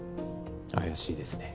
怪しいですね